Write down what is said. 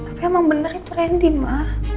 tapi emang bener itu randy ma